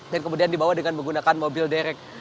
dan kemudian dibawa dengan menggunakan mobil derek